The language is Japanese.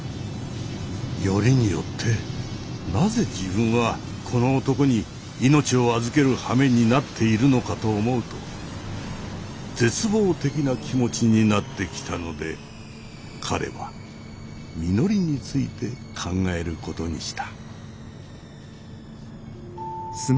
よりによってなぜ自分はこの男に命を預けるはめになっているのかと思うと絶望的な気持ちになってきたので彼はみのりについて考えることにした。